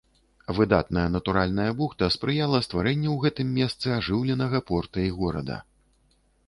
Выдатная натуральная бухта спрыяла стварэнню ў гэтым месцы ажыўленага порта і горада.